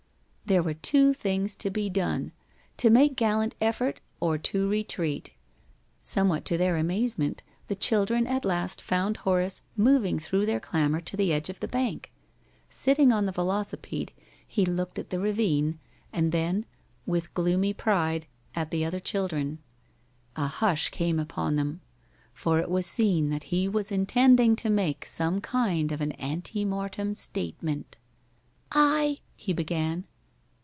There were two things to be done to make gallant effort or to retreat. Somewhat to their amazement, the children at last found Horace moving through their clamor to the edge of the bank. Sitting on the velocipede, he looked at the ravine, and then, with gloomy pride, at the other children. A hush came upon them, for it was seen that he was intending to make some kind of an ante mortem statement. "I " he began.